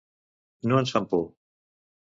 No ens fan por.